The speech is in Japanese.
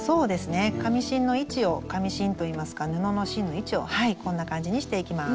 紙芯の位置を紙芯といいますか布の芯の位置をこんな感じにしていきます。